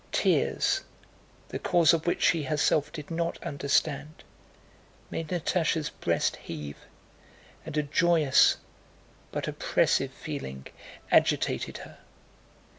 Tears, the cause of which she herself did not understand, made Natásha's breast heave, and a joyous but oppressive feeling agitated her.